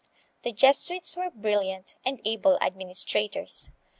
The Jesuits were brilliant and able administrators.